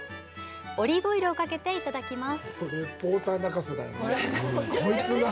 オリーブオイルをかけていただきます。